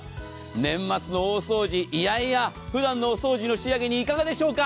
年末の大掃除、いやいやふだんのお掃除の仕上げにいかがでそうか？